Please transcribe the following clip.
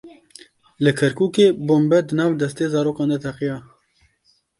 Li Kerkûkê bombe di nav destê zarokan de teqiya.